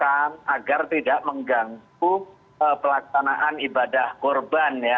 agar tidak mengganggu pelaksanaan ibadah kurban ya